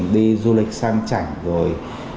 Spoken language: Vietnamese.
đi du lịch sang chảnh rồi